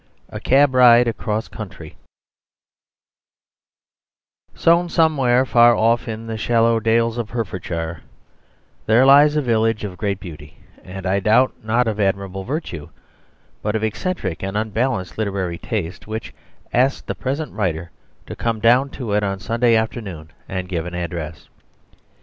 A Cab Ride Across Country Sown somewhere far off in the shallow dales of Hertfordshire there lies a village of great beauty, and I doubt not of admirable virtue, but of eccentric and unbalanced literary taste, which asked the present writer to come down to it on Sunday afternoon and give an address.